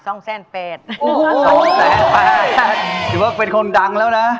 หรือว่าเป็นคนดังแล้วนะ